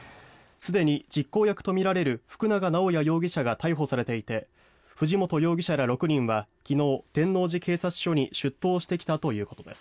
既に実行役とみられる福永直也容疑者が逮捕されていて藤本容疑者ら６人は昨日天王寺警察署に出頭してきたということです。